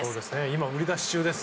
今売り出し中です。